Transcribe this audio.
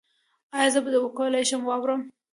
ایا زه به وکولی شم واورم؟